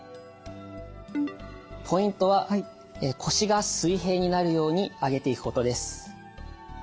ポイントは腰が水平になるように上げていくことです。